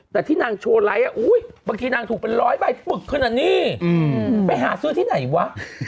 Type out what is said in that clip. แต่ที่นางโชว์ไลค์บางทีนางถูกเป็นร้อยใบปึกขนาดนี้ไปหาซื้อที่ไหนวะ